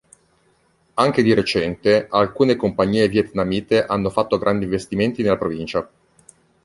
Anche di recente, alcune compagnie vietnamite hanno fatto grandi investimenti nella provincia.